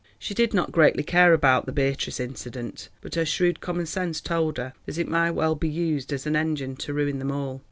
She did not greatly care about the Beatrice incident, but her shrewd common sense told her that it might well be used as an engine to ruin them all.